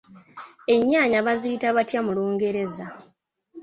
Ennyaanya baziyita batya mu lungereza?